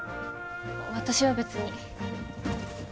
私は別に。